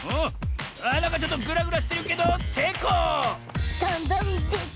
なんかちょっとぐらぐらしてるけどせいこう！